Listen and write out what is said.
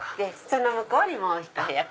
その向こうにもうひと部屋